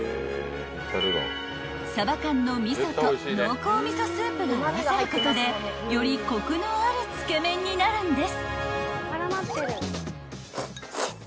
［鯖缶の味噌と濃香味噌スープが合わさることでよりコクのあるつけ麺になるんです］